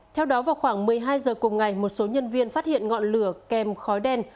theo đó vào khoảng một mươi hai giờ cùng ngày một số nhân viên phát hiện ngọn lửa kèm khói đen